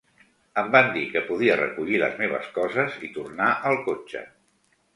Em van dir que podia recollir les meves coses i tornar al cotxe.